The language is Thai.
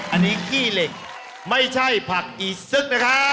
อันนี้ขี้เหล็กไม่ใช่ผักอีซึกนะครับ